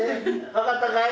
分かったかい？